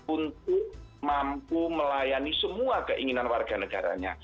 untuk mampu melayani semua keinginan warga negaranya